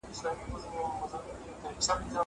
زه مينه څرګنده کړې ده.